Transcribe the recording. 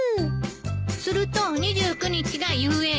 すると２９日が遊園地。